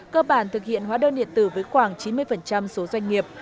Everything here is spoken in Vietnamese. cơ bản thực hiện hóa đơn điện tử với khoảng chín mươi số doanh nghiệp